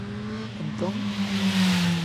¿Entón?